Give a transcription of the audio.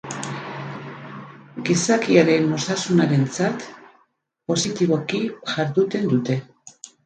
Gizakiaren osasunarentzat positiboki jarduten dute.